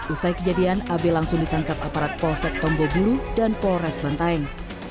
usai kejadian ab langsung ditangkap aparat polsek tombobulu dan polres bantaeng